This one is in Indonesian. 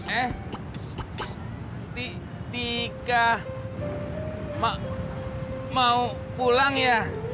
eh tika mau pulang ya